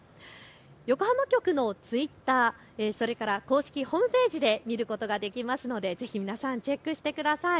横浜局のツイッター、それから公式ホームページで見ることができますのでぜひ皆さん、チェックしてみてください。